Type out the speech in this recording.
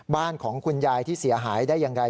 บ้านของคุณยายที่เสียหายได้อย่างไร